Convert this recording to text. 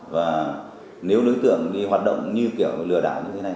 và nếu đối tượng đi hoạt động như kiểu lừa đảo như thế này